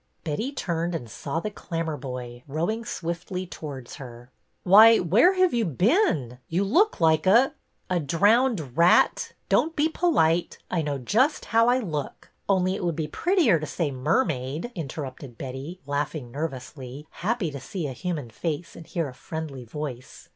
Betty turned and saw the Clammerboy rowing swiftly towards her. ''Why, where have you been? You look like a —" A drowned rat. Don't be polite. I know just how I look. Only it would be prettier to say mermaid," interrupted Betty, laughing nervously, happy to see a human face and hear a friendly voice.